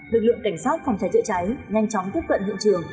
lực lượng cảnh sát phòng cháy chữa cháy nhanh chóng tiếp cận hiện trường